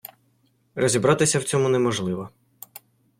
Розібратися в цьому неможливо.